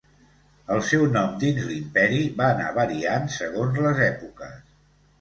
El seu nombre dins l'imperi va anar variant segons les èpoques.